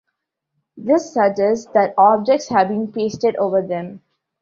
This suggests that objects have been "pasted" over them.